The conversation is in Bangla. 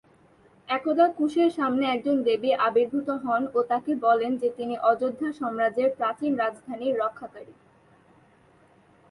একদা কুশের সামনে একজন দেবী আবির্ভূত হন ও তাকে বলেন যে তিনি অযোধ্যা সাম্রাজ্যের প্রাচীন রাজধানীর রক্ষাকারী।